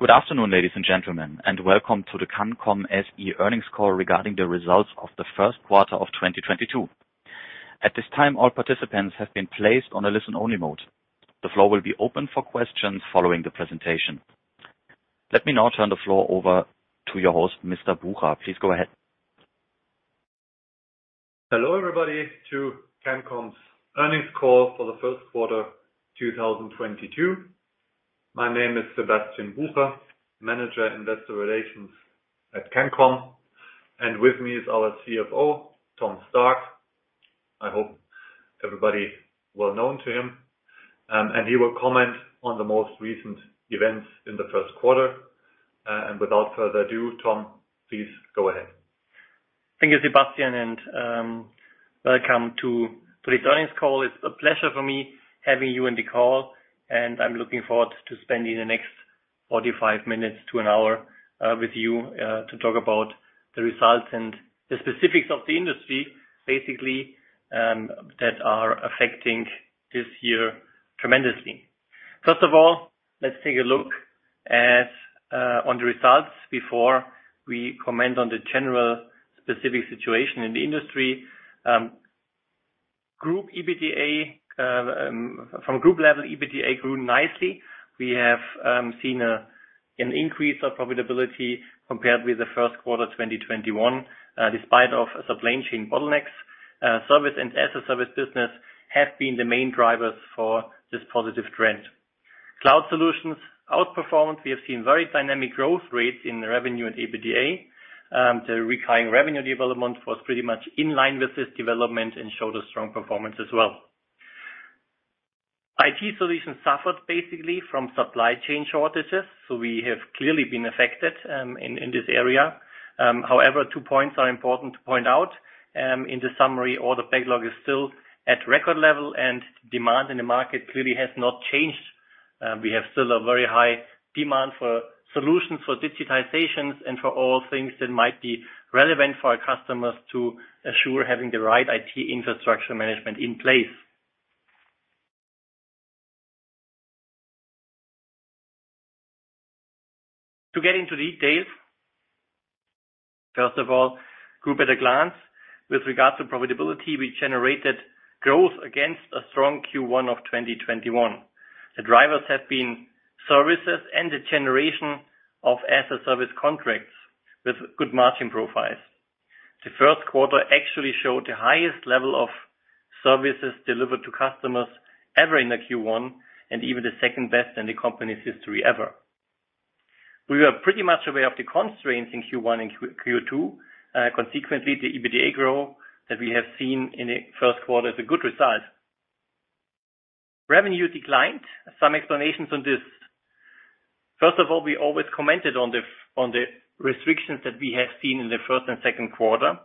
Good afternoon, ladies and gentlemen, and welcome to the Cancom SE earnings call regarding the results of the first quarter of 2022. At this time, all participants have been placed on a listen-only mode. The floor will be open for questions following the presentation. Let me now turn the floor over to your host, Mr. Bucher. Please go ahead. Hello, everybody, to Cancom's earnings call for the first quarter 2022. My name is Sebastian Bucher, Manager, Investor Relations at Cancom. With me is our CFO, Thomas Stark. I hope everybody well known to him. He will comment on the most recent events in the first quarter. Without further ado, Tom, please go ahead. Thank you, Sebastian, and welcome to today's earnings call. It's a pleasure for me having you in the call, and I'm looking forward to spending the next 45 minutes to an hour with you to talk about the results and the specifics of the industry, basically, that are affecting this year tremendously. First of all, let's take a look at on the results before we comment on the general specific situation in the industry. Group EBITDA from group level grew nicely. We have seen an increase of profitability compared with the first quarter 2021 despite of supply chain bottlenecks. Service and as-a-service business have been the main drivers for this positive trend. Cloud Solutions outperformed. We have seen very dynamic growth rates in revenue and EBITDA. The recurring revenue development was pretty much in line with this development and showed a strong performance as well. IT Solutions suffered basically from supply chain shortages, so we have clearly been affected in this area. However, two points are important to point out in the summary. Order backlog is still at record level and demand in the market clearly has not changed. We have still a very high demand for solutions for digitizations and for all things that might be relevant for our customers to assure having the right IT infrastructure management in place. To get into details, first of all, Group at a Glance. With regard to profitability, we generated growth against a strong Q1 of 2021. The drivers have been services and the generation of as-a-service contracts with good margin profiles. The first quarter actually showed the highest level of services delivered to customers ever in the Q1, and even the second best in the company's history ever. We were pretty much aware of the constraints in Q1 and Q2. Consequently, the EBITDA growth that we have seen in the first quarter is a good result. Revenue declined. Some explanations on this. First of all, we always commented on the restrictions that we have seen in the first and second quarter.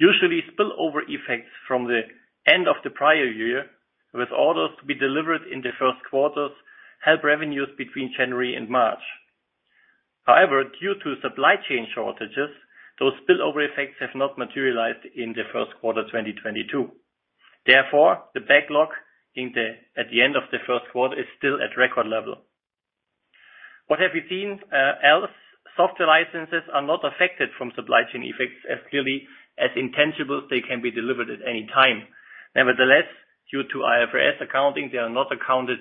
Usually spillover effects from the end of the prior year with orders to be delivered in the first quarters help revenues between January and March. However, due to supply chain shortages, those spillover effects have not materialized in the first quarter, 2022. Therefore, the backlog at the end of the first quarter is still at record level. What have we seen, else? Software licenses are not affected by supply chain effects as clearly as intangibles, they can be delivered at any time. Nevertheless, due to IFRS accounting, they are not accounted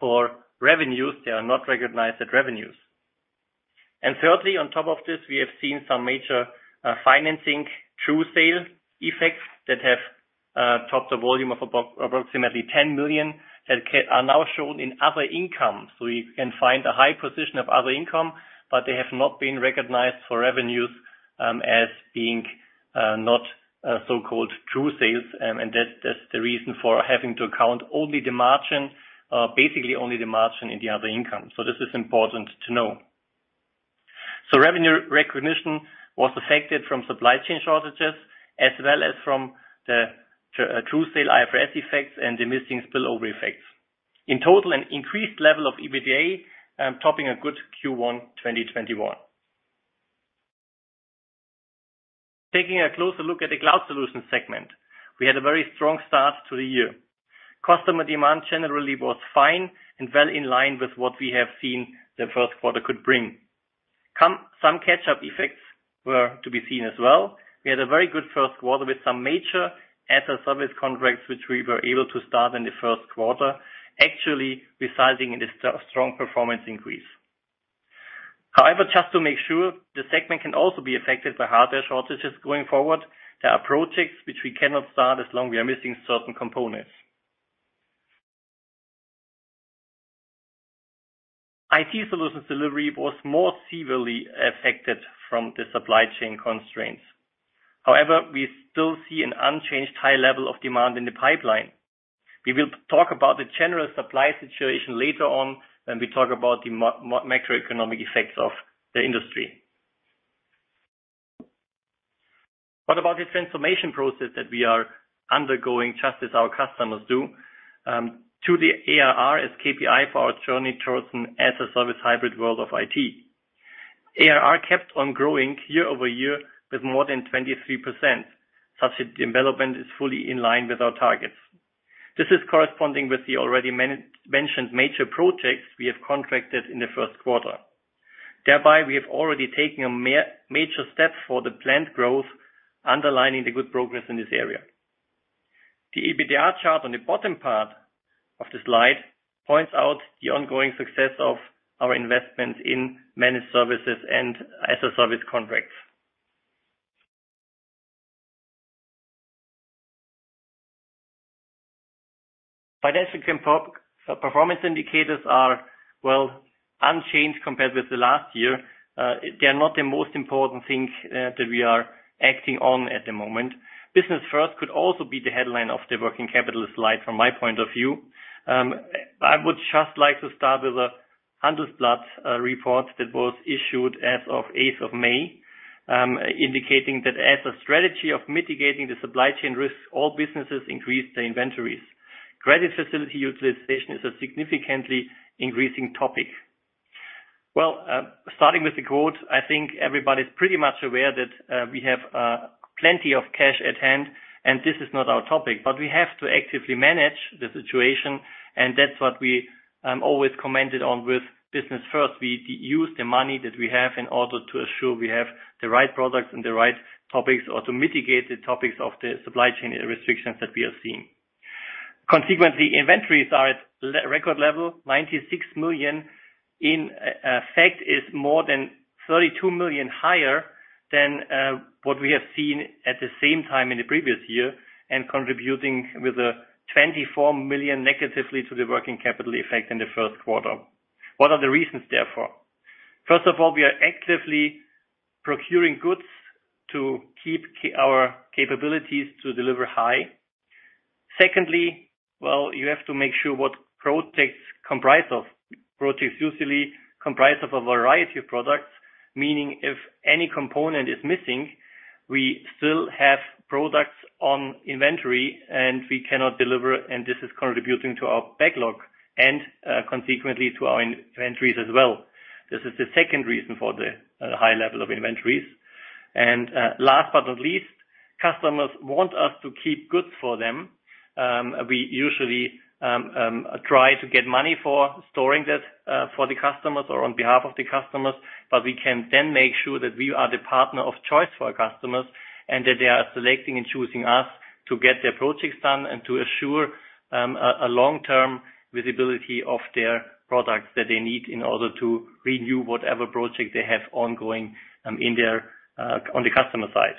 for revenues. They are not recognized at revenues. Thirdly, on top of this, we have seen some major financing true sale effects that have topped a volume of approximately 10 million that are now shown in other income. We can find a high portion of other income, but they have not been recognized for revenues as being not so-called true sales. That's the reason for having to account only the margin basically only the margin in the other income. This is important to know. Revenue recognition was affected by supply chain shortages as well as by the true sale IFRS effects and the missing spillover effects. In total, an increased level of EBITDA, topping a good Q1, 2021. Taking a closer look at the Cloud Solutions segment, we had a very strong start to the year. Customer demand generally was fine and well in line with what we have seen the first quarter could bring. Some catch-up effects were to be seen as well. We had a very good first quarter with some major As-a-Service contracts, which we were able to start in the first quarter, actually resulting in this strong performance increase. However, just to make sure the segment can also be affected by hardware shortages going forward, there are projects which we cannot start as long as we are missing certain components. IT Solutions delivery was more severely affected by the supply chain constraints. However, we still see an unchanged high level of demand in the pipeline. We will talk about the general supply situation later on when we talk about the macroeconomic effects of the industry. What about the transformation process that we are undergoing, just as our customers do, to the ARR as KPI for our journey towards an as-a-service hybrid world of IT. ARR kept on growing year over year with more than 23%. Such a development is fully in line with our targets. This is corresponding with the already mentioned major projects we have contracted in the first quarter. Thereby, we have already taken a major step for the planned growth, underlining the good progress in this area. The EBITDA chart on the bottom part of the slide points out the ongoing success of our investments in managed services and as a service contracts. Financial performance indicators are, well, unchanged compared with the last year. They are not the most important thing that we are acting on at the moment. Business first could also be the headline of the working capital slide from my point of view. I would just like to start with the Handelsblatt report that was issued as of eighth of May, indicating that as a strategy of mitigating the supply chain risks, all businesses increase their inventories. Credit facility utilization is a significantly increasing topic. Starting with the quote, I think everybody is pretty much aware that we have plenty of cash at hand, and this is not our topic, but we have to actively manage the situation, and that's what we always commented on with business first. We use the money that we have in order to assure we have the right products and the right topics, or to mitigate the topics of the supply chain restrictions that we are seeing. Consequently, inventories are at record level, 96 million, in effect, is more than 32 million higher than what we have seen at the same time in the previous year and contributing with a 24 million negatively to the working capital effect in the first quarter. What are the reasons therefore? First of all, we are actively procuring goods to keep our capabilities to deliver high. Secondly, well, you have to make sure what projects comprise of. Projects usually comprise of a variety of products, meaning if any component is missing, we still have products on inventory, and we cannot deliver, and this is contributing to our backlog and consequently to our inventories as well. This is the second reason for the high level of inventories. Last but not least, customers want us to keep goods for them. We usually try to get money for storing that for the customers or on behalf of the customers, but we can then make sure that we are the partner of choice for our customers and that they are selecting and choosing us to get their projects done and to assure a long-term visibility of their products that they need in order to renew whatever project they have ongoing in their on the customer side.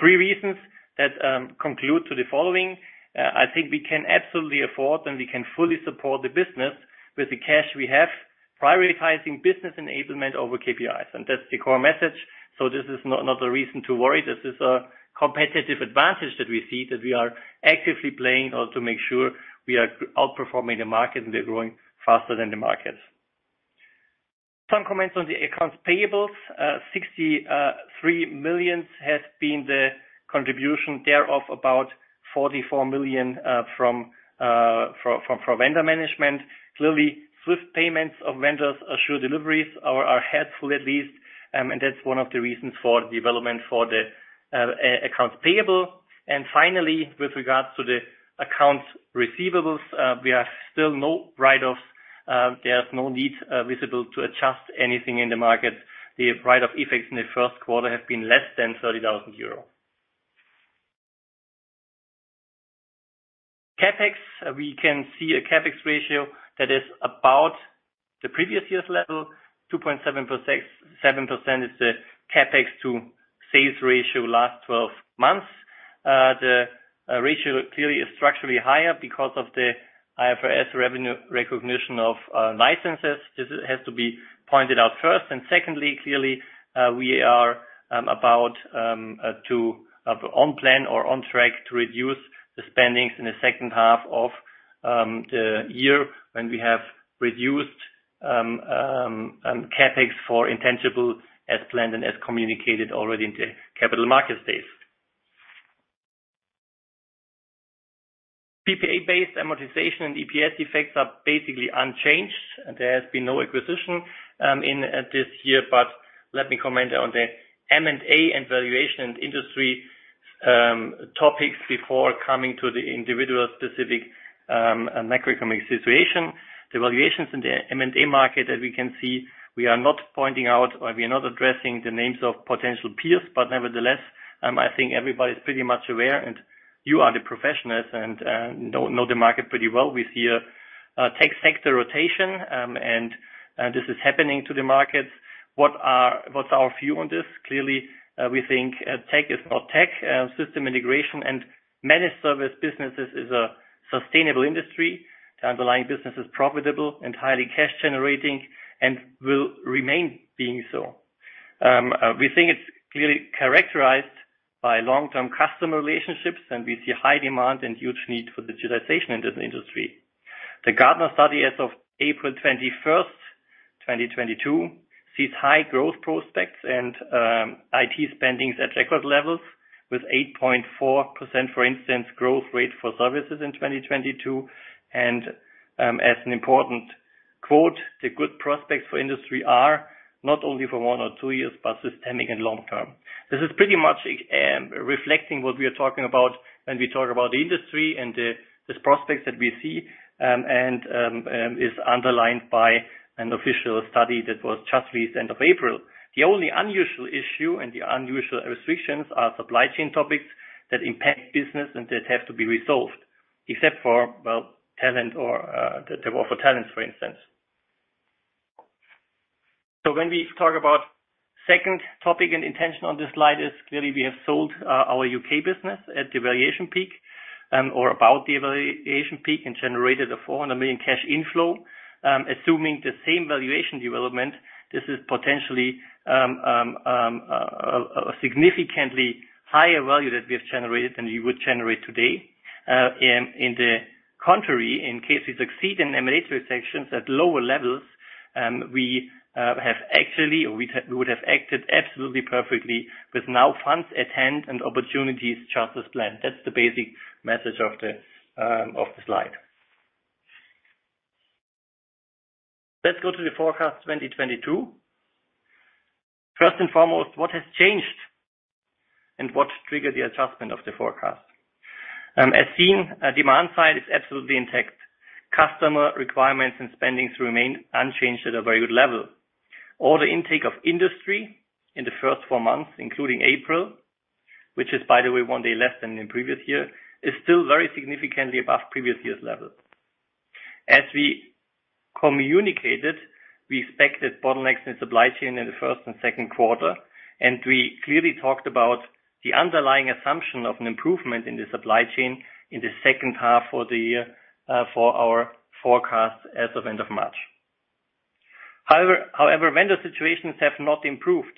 Three reasons that conclude to the following. I think we can absolutely afford, and we can fully support the business with the cash we have, prioritizing business enablement over KPIs, and that's the core message. This is not another reason to worry. This is a competitive advantage that we see, that we are actively playing or to make sure we are outperforming the market, and we are growing faster than the market. Some comments on the accounts payable. 63 million has been the contribution thereof, about 44 million from vendor management. Clearly, swift payments to vendors assure deliveries are helpful at least, and that's one of the reasons for the development of the accounts payable. Finally, with regards to the accounts receivable, we have still no write-offs. There's no visible need to adjust anything in the market. The write-off effects in the first quarter have been less than 30,000 euro. CapEx, we can see a CapEx ratio that is about the previous year's level, 2.7%, 7% is the CapEx to sales ratio last twelve months. The ratio clearly is structurally higher because of the IFRS revenue recognition of licenses. This has to be pointed out first. Secondly, clearly, we are on plan or on track to reduce the spending in the second half of the year when we have reduced CapEx for intangible as planned and as communicated already in the capital markets days. PPA-based amortization and EPS effects are basically unchanged. There has been no acquisition in this year, but let me comment on the M&A and valuation industry topics before coming to the individual specific macroeconomic situation. The valuations in the M&A market, as we can see, we are not pointing out or we are not addressing the names of potential peers, but nevertheless, I think everybody is pretty much aware, and you are the professionals and know the market pretty well. We see a tech sector rotation, and this is happening to the markets. What's our view on this? Clearly, we think, tech is not tech. System integration and managed service businesses is a sustainable industry. The underlying business is profitable and highly cash generating and will remain being so. We think it's clearly characterized by long-term customer relationships, and we see high demand and huge need for digitalization in this industry. The Gartner study as of April 21, 2022, sees high growth prospects and IT spending at record levels. With 8.4%, for instance, growth rate for services in 2022. As an important quote, "The good prospects for industry are not only for one or two years, but systemic and long term." This is pretty much reflecting what we are talking about when we talk about the industry and the prospects that we see, and is underlined by an official study that was just released end of April. The only unusual issue and the unusual restrictions are supply chain topics that impact business and that have to be resolved, except for, well, talent or the war for talent, for instance. When we talk about second topic and intention on this slide is clearly we have sold our UK business at the valuation peak or about the valuation peak and generated a 400 million cash inflow. Assuming the same valuation development, this is potentially a significantly higher value that we have generated than we would generate today. On the contrary, in case we succeed in M&A transactions at lower levels, we have actually or we would have acted absolutely perfectly with now funds at hand and opportunities just as planned. That's the basic message of the slide. Let's go to the forecast 2022. First and foremost, what has changed and what triggered the adjustment of the forecast? As seen, demand side is absolutely intact. Customer requirements and spending remain unchanged at a very good level. Order intake of industry in the first four months, including April, which is by the way one day less than the previous year, is still very significantly above previous years' level. As we communicated, we expected bottlenecks in supply chain in the first and second quarter, and we clearly talked about the underlying assumption of an improvement in the supply chain in the second half of the year, for our forecast as of end of March. However, vendor situations have not improved.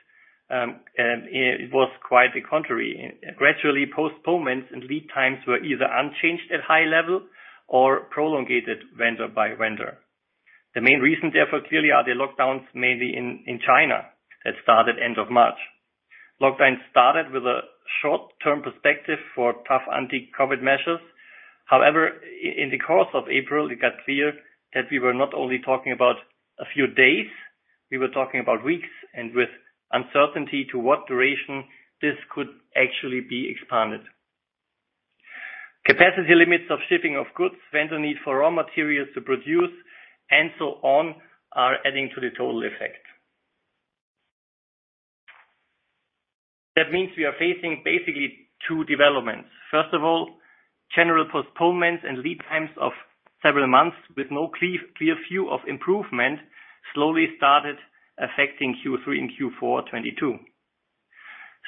It was quite the contrary. Gradually, postponements and lead times were either unchanged at high level or prolonged vendor by vendor. The main reason, therefore, clearly are the lockdowns, mainly in China that started end of March. Lockdown started with a short-term perspective for tough anti-COVID measures. However, in the course of April, it got clear that we were not only talking about a few days, we were talking about weeks and with uncertainty to what duration this could actually be expanded. Capacity limits of shipping of goods, vendor need for raw materials to produce, and so on are adding to the total effect. That means we are facing basically two developments. First of all, general postponements and lead times of several months with no clear view of improvement slowly started affecting Q3 and Q4 2022.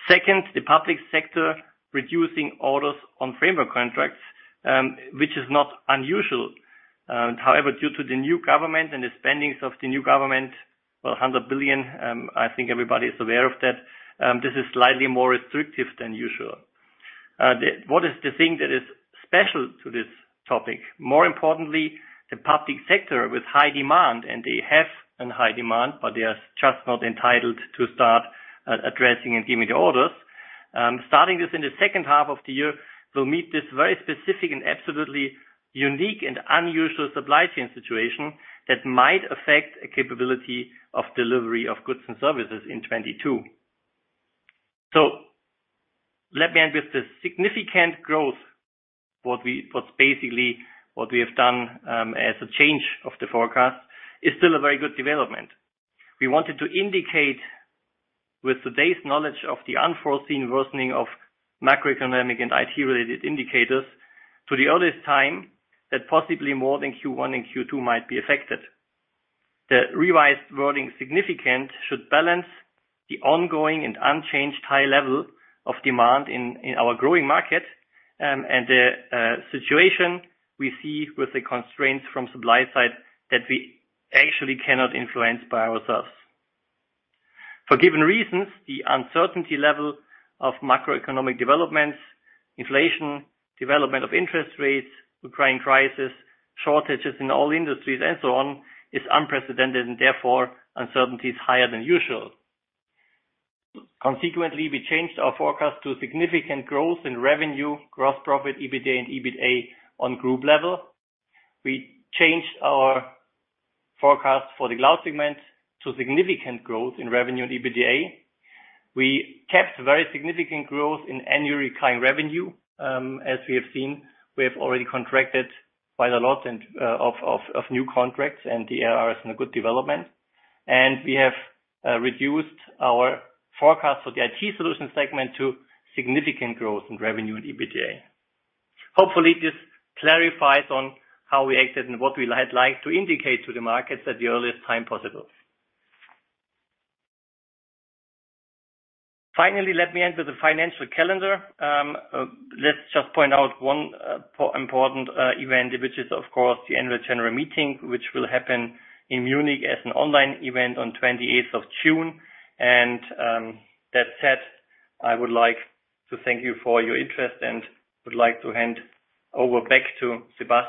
Second, the public sector reducing orders on framework contracts, which is not unusual. However, due to the new government and the spending of the new government, 100 billion, I think everybody is aware of that, this is slightly more restrictive than usual. What is the thing that is special to this topic? More importantly, the public sector with high demand, and they have a high demand, but they are just not entitled to start addressing and giving the orders. Starting this in the second half of the year, we'll meet this very specific and absolutely unique and unusual supply chain situation that might affect a capability of delivery of goods and services in 2022. Let me end with the significant growth. What's basically what we have done, as a change of the forecast, is still a very good development. We wanted to indicate with today's knowledge of the unforeseen worsening of macroeconomic and IT-related indicators to the earliest time that possibly more than Q1 and Q2 might be affected. The revised wording significant should balance the ongoing and unchanged high level of demand in our growing market, and the situation we see with the constraints from supply side that we actually cannot influence by ourselves. For given reasons, the uncertainty level of macroeconomic developments, inflation, development of interest rates, Ukraine crisis, shortages in all industries, and so on is unprecedented, and therefore uncertainty is higher than usual. Consequently, we changed our forecast to significant growth in revenue, gross profit, EBITDA, and EBITDA on group level. We changed our forecast for the cloud segment to significant growth in revenue and EBITDA. We kept very significant growth in annually recurring revenue. As we have seen, we have already contracted quite a lot of new contracts, and the ARR is in a good development. We have reduced our forecast for the IT Solutions segment to significant growth in revenue and EBITDA. Hopefully, this clarifies on how we acted and what we had liked to indicate to the markets at the earliest time possible. Finally, let me end with the financial calendar. Let's just point out one important event, which is of course the annual general meeting, which will happen in Munich as an online event on 28th of June. That said, I would like to thank you for your interest and would like to hand over back to Sebastian.